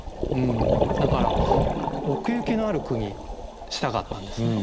だから奥行きのある句にしたかったんですね。